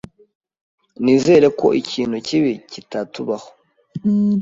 Nizere ko ikintu kibi kitatubaho.